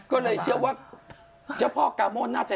ก็เลยเชื่อว่าเจ้าพ่อกาโมนน่าจะ